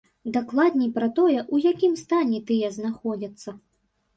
Дакладней, пра тое, у якім стане тыя знаходзяцца.